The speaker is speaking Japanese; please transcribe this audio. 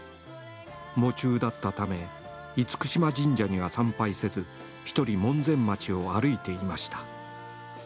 喪中だったため厳島神社には参拝せず１人、門前町を歩いていました。